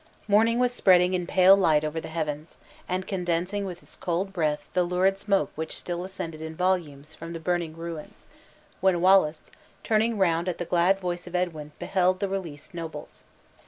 Morning was spreading in pale light over the heavens, and condensing with its cold breath the lurid smoke which still ascended in volumes from the burning ruins, when Wallace, turning round at the glad voice of Edwin, beheld the released nobles.